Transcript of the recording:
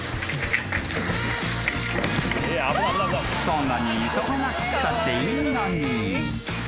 ［そんなに急がなくたっていいのに］